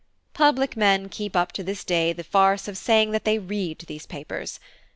Public men keep up to this day the farce of saying that they read these papers.